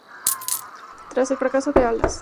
Tras el fracaso de "Alas!